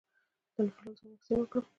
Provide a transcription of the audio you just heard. د انفلونزا واکسین وکړم؟